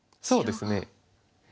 そうですね。